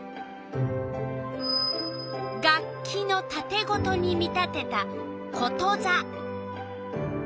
楽器のたてごとに見立てたことざ。